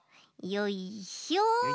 よいしょ。